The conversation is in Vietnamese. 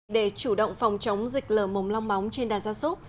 để chủ động phòng chống dịch lờ mồm long móng trên đàn gia sốt